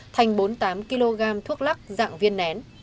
thành bốn mươi tám kg thuốc lắc dạng viên nén